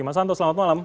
mas hanto selamat malam